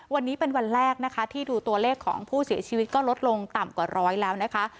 วันนี้เป็นวันแรกนะคะที่ดูตัวเลขของผู้เสียชีวิตก็ลดลงต่ำกว่าร้อยแล้วนะคะ